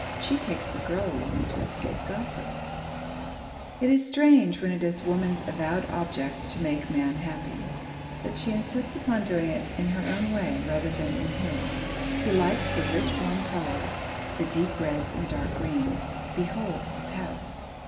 She takes the girl along to escape gossip. [Sidenote: Behold his House!] It is strange, when it is woman's avowed object to make man happy, that she insists upon doing it in her own way, rather than in his. He likes the rich, warm colours; the deep reds and dark greens. Behold his house!